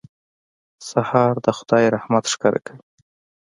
سهار د خدای رحمت ښکاره کوي.